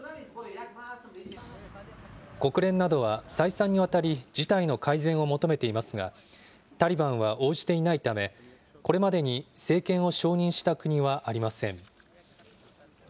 国連などは再三にわたり、事態の改善を求めていますが、タリバンは応じていないため、これまでに政権を承認した国はありません。